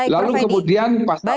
lalu kemudian pasal lain